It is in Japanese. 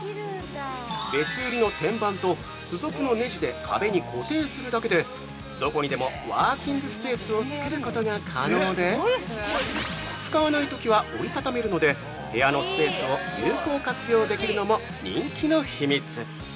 別売りの天板と付属のネジで壁に固定するだけでどこにでもワーキングスペースを作ることが可能で使わないときは折り畳めるので部屋のスペースを有効活用できるのも人気の秘密！